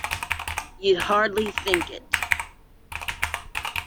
You’d hardly think it.